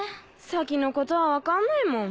先のことは分かんないもん。